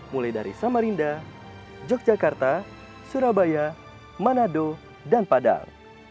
mulai dari samarinda yogyakarta surabaya manado dan padang